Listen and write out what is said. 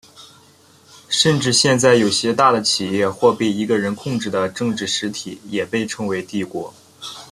甚至现在有些大的企业或被一个人控制的政治实体也被称为帝国。